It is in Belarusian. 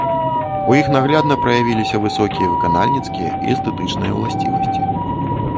У іх наглядна праявіліся высокія выканальніцкія і эстэтычныя ўласцівасці.